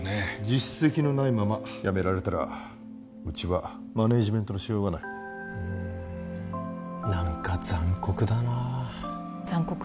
実績のないままやめられたらうちはマネージメントのしようがないうん何か残酷だな残酷？